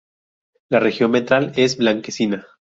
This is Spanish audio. La región ventral es blanquecina.